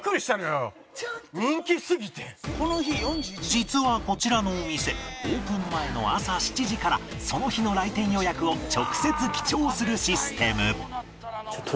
実はこちらのお店オープン前の朝７時からその日の来店予約を直接記帳するシステム